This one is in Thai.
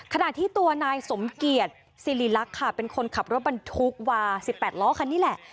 ขณะที่ตัวนายสมเกียจสิริลักษณ์ค่ะเป็นคนขับรถบรรทุกวา๑๘ล้อคันนี้แหละ